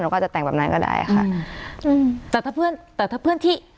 ก็จะแต่งแบบนั้นก็ได้ค่ะอืมแต่ถ้าเพื่อนแต่ถ้าเพื่อนที่